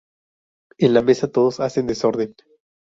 En la mesa todos hacen desorden.